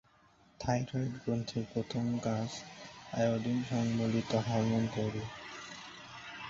Thyroid গ্রন্থির প্রধান কাজ আয়োডিন সংবলিত হরমোন তৈরি।